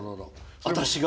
私が？